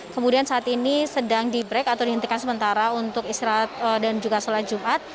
kemudian saat ini sedang di break atau dihentikan sementara untuk istirahat dan juga sholat jumat